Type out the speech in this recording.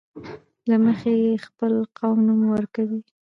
له مخې خپل نوم ورکوي.